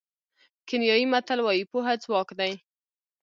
کینیايي متل وایي پوهه ځواک دی.